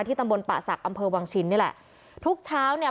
ตำบลป่าศักดิ์อำเภอวังชินนี่แหละทุกเช้าเนี่ย